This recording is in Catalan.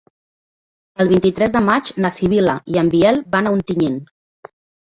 El vint-i-tres de maig na Sibil·la i en Biel van a Ontinyent.